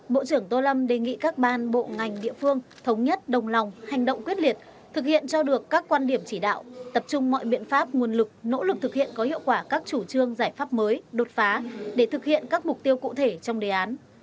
bộ trưởng tô lâm đề nghị các ban bộ ngành địa phương thống nhất đồng lòng hành động quyết liệt thực hiện cho được các quan điểm chỉ đạo tập trung mọi biện pháp nguồn lực nỗ lực thực hiện có hiệu quả các chủ trương giải pháp mới đột phá để thực hiện các mục tiêu cụ thể trong đề án